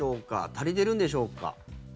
足りてるんでしょうか。